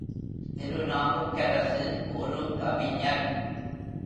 திருநாவுக்கரசு ஒரு கவிஞர்.